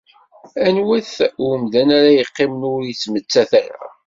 Anwa-t umdan-a ara yeqqimen ur ittmettat ara?